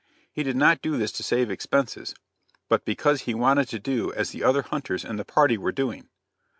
He did not do this to save expenses, but because he wanted to do as the other hunters in the party were doing.